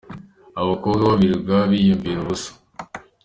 abakobwa bo birirwa biyambira ubusa.